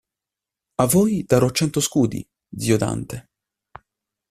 A voi darò cento scudi, zio Dante.